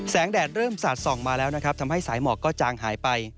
แดดเริ่มสาดส่องมาแล้วนะครับทำให้สายหมอกก็จางหายไป